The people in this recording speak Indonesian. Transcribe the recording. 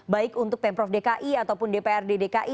baik untuk pemprov dki ataupun dprd dki